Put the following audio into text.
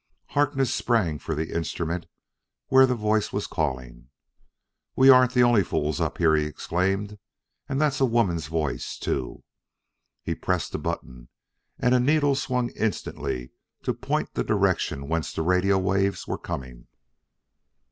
Harkness sprang for the instrument where the voice was calling. "We aren't the only fools up here," he exclaimed; "and that's a woman's voice, too!" He pressed a button, and a needle swung instantly to point the direction whence the radio waves were coming.